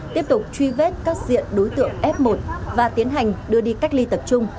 tiếp tục truy vết các diện đối tượng f một và tiến hành đưa đi cách ly tập trung